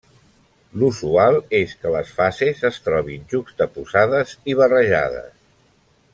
L'usual és que les fases es trobin juxtaposades i barrejades.